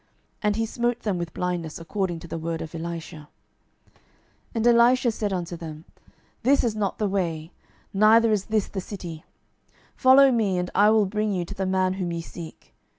And he smote them with blindness according to the word of Elisha. 12:006:019 And Elisha said unto them, This is not the way, neither is this the city: follow me, and I will bring you to the man whom ye seek.